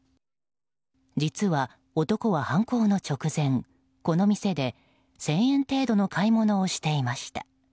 実は男は犯行の直前、この店で１０００円程度の買い物をしていました。